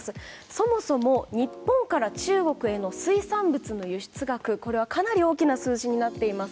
そもそも日本から中国への水産物の輸出額ですがこれはかなり大きな数字になっています。